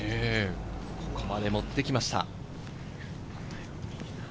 ここまで持ってきました。